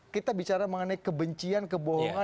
kita bicara mengenai kebencian kebohongan